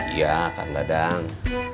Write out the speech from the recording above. iya kang dadang